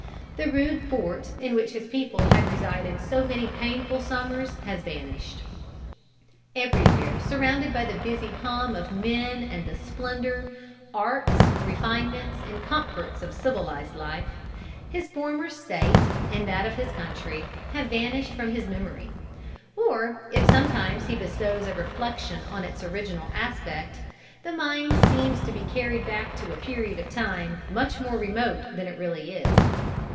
The rude fort in which his people had resided so many painful summers has vanished. "Everywhere surrounded by the busy hum of men and the splendor, arts, refinements and comforts of civilised life, his former state and that of his country have vanished from his memory; or if sometimes he bestows a reflection on its original aspect, the mind seems to be carried back to a period of time much more remote than it really is.